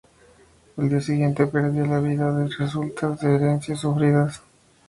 El día siguiente perdía la vida de resultas de las heridas sufridas.